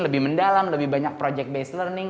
lebih mendalam lebih banyak project based learning